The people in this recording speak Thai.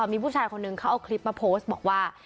มีผู้ชายคนนึงเขาเอาคลิปมาโพสต์บอกว่า